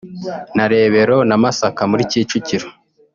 na Rebero na Masaka muri Kicukiro